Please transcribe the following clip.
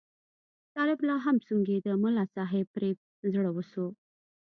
طالب لا هم سونګېده، ملا صاحب پرې زړه وسو.